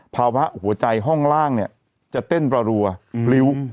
ภาวะหัวใจห้องล่างเนี่ยจะเต้นรัวพริ้ว